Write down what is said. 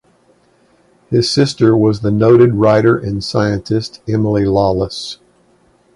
His sister was the noted writer and scientist Emily Lawless.